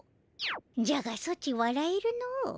じゃがソチわらえるの。